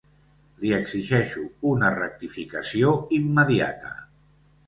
Li exigeixo una rectificació immediata.